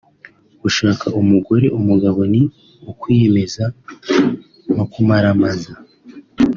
Gushaka umugore /umugabo ni ukwiyemeza no kumaramaza